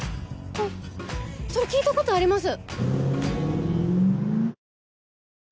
あっそれ聞いたことあります！